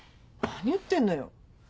何言ってんのよ